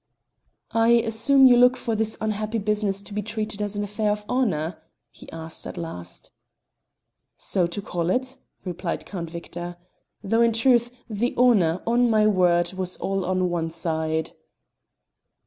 "I assume you look for this unhappy business to be treated as an affair of honour?" he asked at last. "So to call it," replied Count Victor, "though in truth, the honour, on my word, was all on one side."